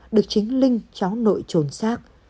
được chính linh cháu nội trốn xác